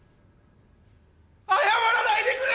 謝らないでくれ！！